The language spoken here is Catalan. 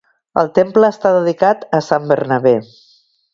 El temple està dedicat a Sant Bernabé.